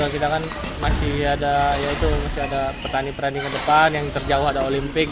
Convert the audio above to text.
kita kan masih ada pertanding pertanding ke depan yang terjauh ada olimpik